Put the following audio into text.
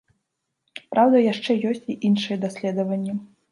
Праўда, яшчэ ёсць і іншыя даследаванні.